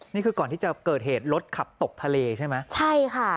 นี่คือก่อนที่จะเกิดเหตุรถขับตกทะเลใช่ไหมใช่ค่ะ